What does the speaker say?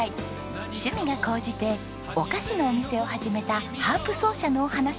趣味が高じてお菓子のお店を始めたハープ奏者のお話。